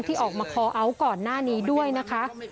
ที่ออกมาคอเอาท์ก่อนหน้านี้ด้วยนะคะ